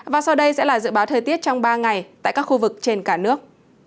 và sau đây sẽ là dự báo thời tiết trong ba ngày tại các khu vực trên cả nước